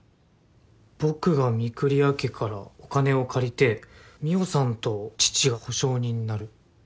僕が御厨家からお金を借りて美帆さんと父が保証人になる。